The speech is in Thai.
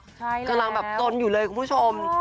แล้วกำลังจนอยู่เลยคุณผู้ชม